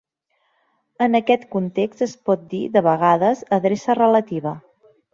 En aquest context es pot dir, de vegades, adreça relativa.